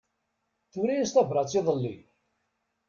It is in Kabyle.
Tura-yas tabrat iḍelli.